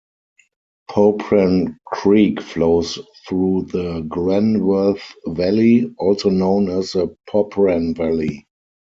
Popran Creek flows through the Glenworth Valley, also known as the Popran Valley.